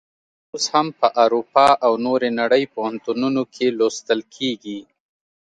چې اوس هم په اروپا او نورې نړۍ پوهنتونونو کې لوستل کیږي.